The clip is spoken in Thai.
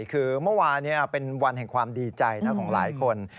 คือเมื่อวานเป็นวันแห่งความดีใจนะของหลายคน